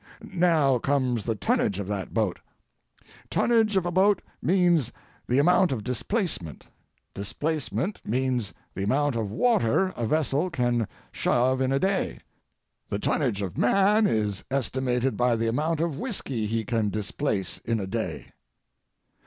Now comes the tonnage of that boat. Tonnage of a boat means the amount of displacement; displacement means the amount of water a vessel can shove in a day. The tonnage of man is estimated by the amount of whiskey he can displace in a day.